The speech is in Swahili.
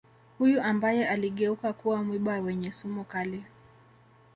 huyu ambaye aligeuka kuwa mwiba wenye sumu kali